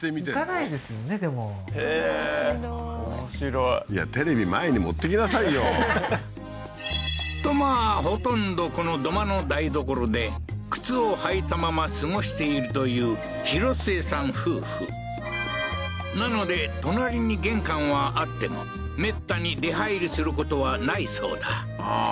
へえー面白いいやテレビ前に持ってきなさいよとまあほとんどこの土間の台所で靴を履いたまま過ごしているという廣末さん夫婦なので隣に玄関はあってもめったに出入りすることはないそうだああー